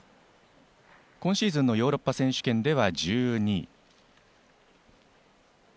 今シーズンのヨーロッパ選手権では１２位。